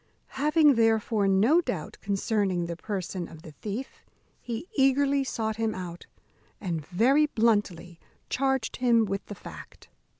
Having, therefore, no doubt concerning the person of the thief, he eagerly sought him out, and very bluntly charged him with the fact.